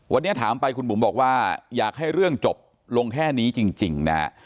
วันนี้ถามไปคุณบุ๋มบอกว่าอยากให้เรื่องจบลงแค่นี้จริงนะฮะ